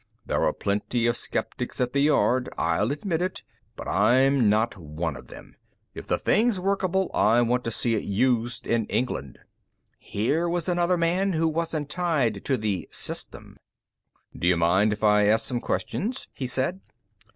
There are plenty of skeptics at the Yard, I'll admit, but I'm not one of them. If the thing's workable, I want to see it used in England." Here was another man who wasn't tied to the "system." "D'you mind if I ask some questions?" he said.